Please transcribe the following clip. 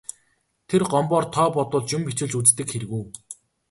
Тэр Гомбоор тоо бодуулж, юм бичүүлж үздэг хэрэг үү.